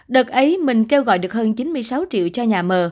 đợt ấy mình kêu gọi được hơn chín mươi sáu triệu cho nhà mờ